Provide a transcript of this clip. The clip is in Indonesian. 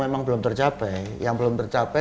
memang belum tercapai yang belum tercapai